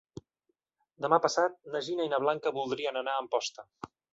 Demà passat na Gina i na Blanca voldrien anar a Amposta.